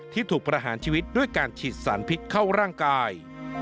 ถูกประหารชีวิตด้วยการฉีดสารพิษเข้าร่างกาย